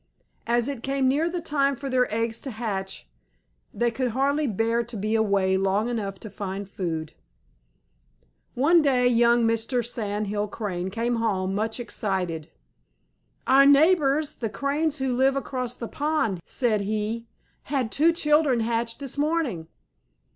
As it came near the time for their eggs to hatch, they could hardly bear to be away long enough to find food. One day young Mr. Sand Hill Crane came home much excited. "Our neighbors, the Cranes who live across the pond," said he, "had two children hatched this morning."